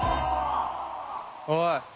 おい。